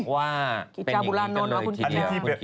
วายคือกิจบุรณอลคุณกิจบุรณอล